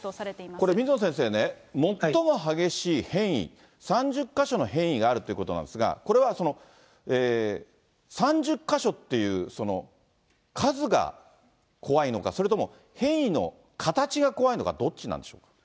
これ、水野先生ね、最も激しい変異、３０か所の変異があるってことなんですが、これは３０か所っていう、その数が怖いのか、それとも、変異の形が怖いのか、どっちなんでしょう。